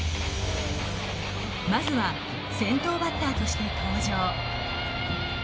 まずは先頭バッターとして登場。